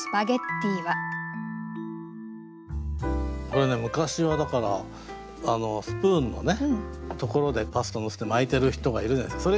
これね昔はだからスプーンのところでパスタのせて巻いてる人がいるじゃないですか。